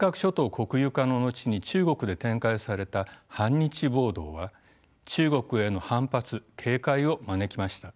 国有化の後に中国で展開された反日暴動は中国への反発警戒を招きました。